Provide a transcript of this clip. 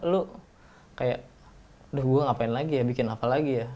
lu kayak udah gue ngapain lagi ya bikin apa lagi ya